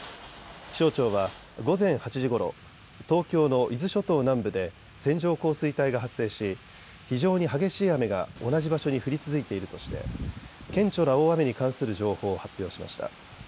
気象庁は午前８時ごろ東京の伊豆諸島南部で線状降水帯が発生し非常に激しい雨が同じ場所に降り続いているとして顕著な大雨に関する情報を発表しました。